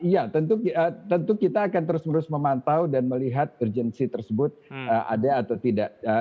ya tentu kita akan terus menerus memantau dan melihat urgensi tersebut ada atau tidak